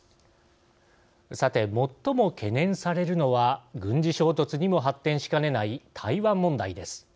さて、最も懸念されるのは軍事衝突にも発展しかねない台湾問題です。